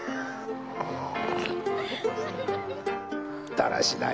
だらしない。